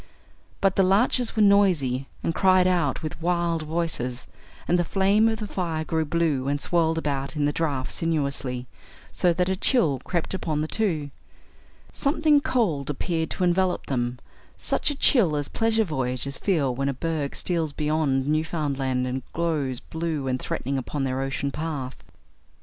But the larches were noisy and cried out with wild voices, and the flame of the fire grew blue and swirled about in the draught sinuously, so that a chill crept upon the two. Something cold appeared to envelop them such a chill as pleasure voyagers feel when a berg steals beyond Newfoundland and glows blue and threatening upon their ocean path.